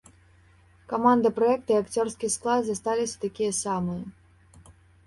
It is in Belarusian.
Каманда праекта і акцёрскі склад засталіся такія самыя.